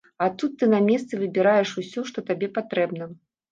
А тут ты на месцы выбіраеш усё, што табе патрэбна.